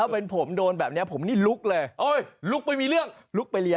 เป็นสมิทที่ดี